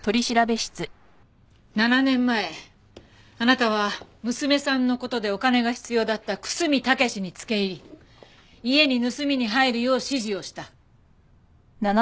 ７年前あなたは娘さんの事でお金が必要だった楠見武に付け入り家に盗みに入るよう指示をした。